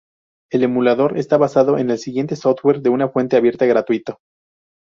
El emulador está basado en el siguiente software de fuente abierta gratuito